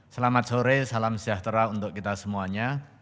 selamat sore salam sejahtera untuk kita semuanya